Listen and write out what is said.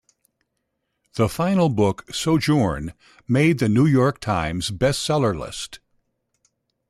The final book "Sojourn" made the New York Times Best Seller list.